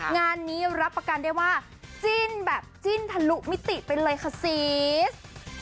งานนี้รับประกันได้ว่าจิ้นแบบจิ้นทะลุมิติไปเลยค่ะซีส